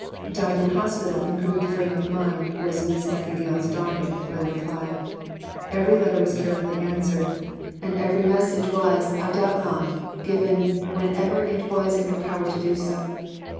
"Died in hospital, in good frame of mind," was Miss Nightingale's docket for the reply. Every letter was carefully answered, and every message was, I doubt not, given whenever it was in her power to do so.